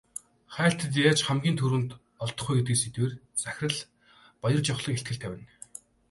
Хайлтад яаж хамгийн түрүүнд олдох вэ гэдэг сэдвээр захирал Баяржавхлан илтгэл тавина.